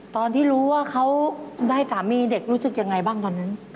ตอนที่รู้ว่าเขาได้สามีเด็กรู้สึกยังไงบ้างตอนนั้น